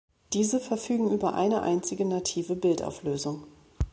Diese verfügen über eine einzige native Bildauflösung.